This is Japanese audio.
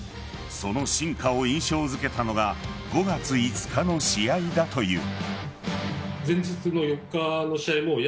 その進化を印象付けたのが５月５日の試合だという。